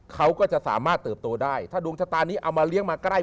เขาก็จะสามารถเติบโตได้ถ้าดวงชะตานี้เอามาเลี้ยงมาใกล้